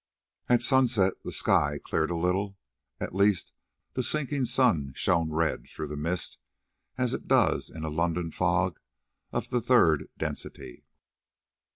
At sunset the sky cleared a little—at least the sinking sun showed red through the mist as it does in a London fog of the third density.